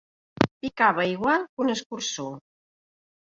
Picava igual que un escurçó.